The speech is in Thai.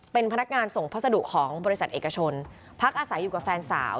เป็นพนักงานส่งพัสดุของบริษัทเอกชนพักอาศัยอยู่กับแฟนสาว